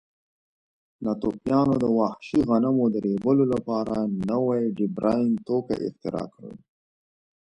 ناتوفیانو د وحشي غنمو د ریبلو لپاره نوي ډبرین توکي اختراع کړل.